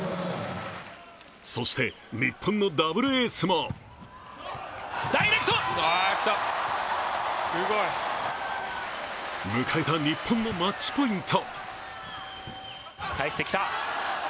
そして、日本のダブルエースも迎えた日本のマッチポイント。